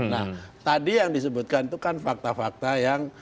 nah tadi yang disebutkan itu kan fakta fakta yang